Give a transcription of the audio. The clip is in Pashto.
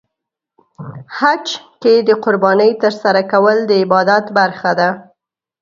په حج کې د قربانۍ ترسره کول د عبادت برخه ده.